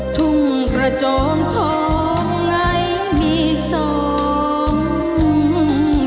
ทุ่มประโจมโทษไงมีสอง